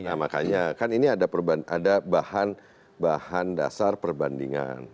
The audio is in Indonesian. nah makanya kan ini ada bahan bahan dasar perbandingan